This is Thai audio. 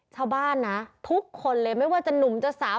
ข้าวบ้านทุกคนเลยว่าจะหนุ่มจะสาว